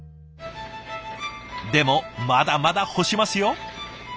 でもまだまだ干しますよ。